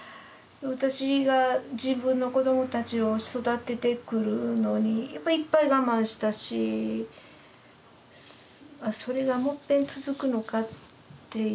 私が自分の子どもたちを育ててくるのにいっぱい我慢したしそれがもっぺん続くのかっていう